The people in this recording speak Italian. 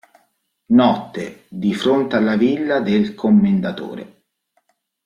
Notte, di fronte alla villa del Commendatore.